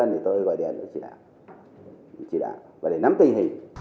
thì tôi gọi điện cho chỉ đạo và để nắm tình hình